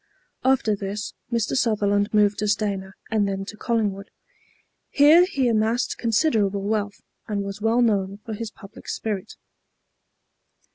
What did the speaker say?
After this Mr. Sutherland moved to Stayner and then to Collingwood. Here he amassed considerable wealth, and was well known for his public spirit.